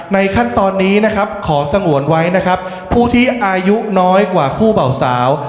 ขั้นตอนนี้นะครับขอสงวนไว้นะครับผู้ที่อายุน้อยกว่าคู่เบาสาว